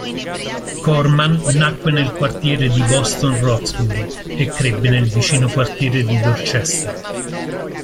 Corman nacque nel quartiere di Boston Roxbury e crebbe nel vicino quartiere di Dorchester.